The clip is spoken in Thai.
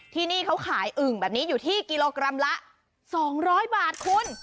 ที่นี่เขาขายอึ่งแบบนี้อยู่ที่กิโลกรัมละ๒๐๐บาทคุณ